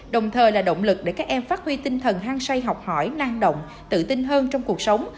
đồng thời là động lực để các em phát huy tinh thần hăng say học hỏi năng động tự tin hơn trong cuộc sống